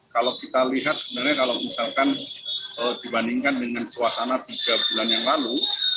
kalau kita lihat sebenarnya kalau misalkan dibandingkan dengan suasana tiga bulan yang lalu